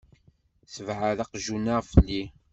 Ssebɛed aqjun-a felli!